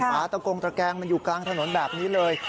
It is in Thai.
ตะโกงตะแกงมันอยู่กลางถนนแบบนี้เลย